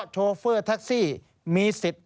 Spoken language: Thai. โชเฟอร์แท็กซี่มีสิทธิ์